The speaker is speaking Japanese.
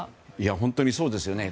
本当にそうですよね。